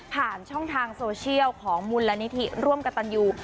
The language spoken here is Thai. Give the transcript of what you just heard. ผ่านช่องทางโซเชียลของมูลนิธิร่วมกับตันยู